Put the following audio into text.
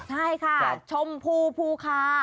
ใช่ค่ะชมพูภูคา